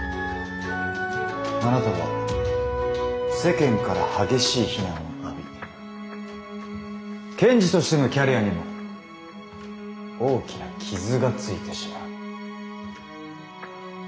あなたは世間から激しい非難を浴び検事としてのキャリアにも大きな傷がついてしまう。